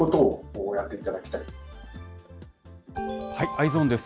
Ｅｙｅｓｏｎです。